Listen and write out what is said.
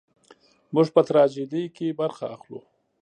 موږ په تراژیدۍ کې برخه اخلو.